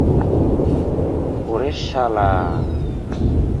ওরে, শালা!